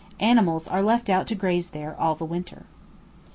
Animals are left out to graze there all the winter.